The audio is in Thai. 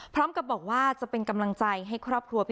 พร้อมกับบอกว่าจะเป็นกำลังใจให้ครอบครัวพี่